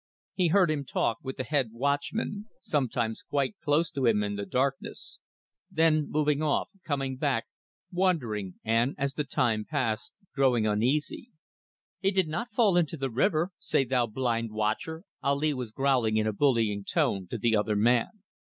He heard him talk with the head watchman sometimes quite close to him in the darkness then moving off, coming back, wondering, and, as the time passed, growing uneasy. "He did not fall into the river? say, thou blind watcher!" Ali was growling in a bullying tone, to the other man.